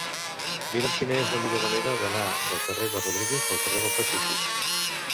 Mira'm quina és la millor manera d'anar del carrer de Rodríguez al carrer del Pacífic.